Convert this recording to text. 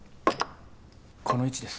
この位置です。